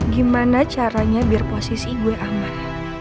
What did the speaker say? gimana caranya biar posisi gue aman